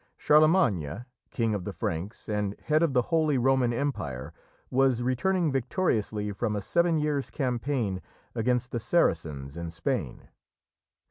Charlemagne, King of the Franks, and Head of the Holy Roman Empire, was returning victoriously from a seven years' campaign against the Saracens in Spain.